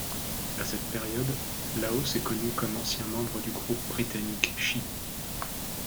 À cette période, Laos est connue comme ancien membre du groupe britannique She.